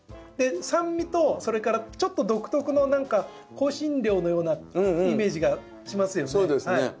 酸味とそれからちょっと独特の何か香辛料のようなイメージがしますよね。